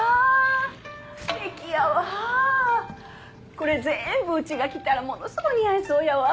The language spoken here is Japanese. これぜーんぶうちが着たらものすごい似合いそうやわ。